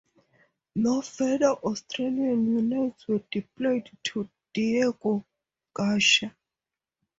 No further Australian units were deployed to Diego Garcia.